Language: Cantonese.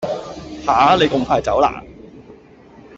吓你咁快走啦？